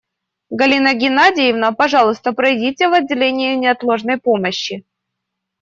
Галина Геннадьевна, пожалуйста, пройдите в отделение неотложной помощи.